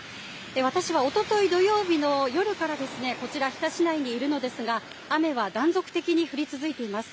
私はおととい土曜日の夜からですね、こちら日田市内にいるのですが、雨は断続的に降り続いています。